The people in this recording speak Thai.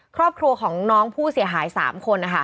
ครอบครัวของน้องผู้เสียหาย๓คนนะคะ